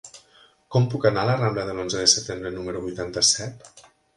Com puc anar a la rambla de l'Onze de Setembre número vuitanta-set?